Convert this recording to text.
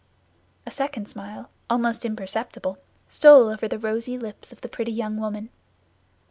A second smile, almost imperceptible, stole over the rosy lips of the pretty young woman.